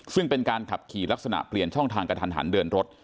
ซึ่งเป็นการขับขี่ลักษณะเปลี่ยนช่องทางกระทันหันเดินรถ